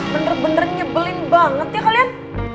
bener bener nyebelin banget ya kalian